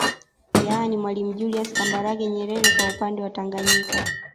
Yani Mwalimu Julius Kambarage Nyerere kwa upande wa Tanganyika